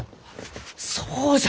そうじゃ！